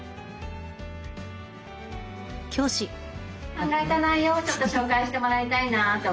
考えた内容をちょっと紹介してもらいたいなと思います